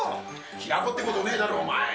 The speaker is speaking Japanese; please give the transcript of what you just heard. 平子ってことねえだろ、お前。